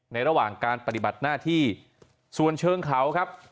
ระหว่างการปฏิบัติหน้าที่ส่วนเชิงเขาครับ